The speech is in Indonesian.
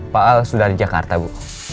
pak al sudah di jakarta bu